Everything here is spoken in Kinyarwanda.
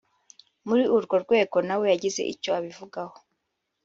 muri urwo rwego na we yagize icyo abivugaho